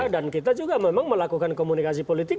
dan kita juga memang melakukan komunikasi politik